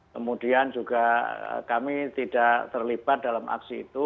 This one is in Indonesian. kemudian juga kami tidak terlibat dalam aksi itu